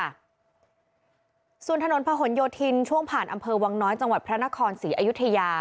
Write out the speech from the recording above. ส่วนถนนพะหนโยธินช่วงผ่านอำเภอวังน้อยจังหวัดพระนครศรีอยุธยา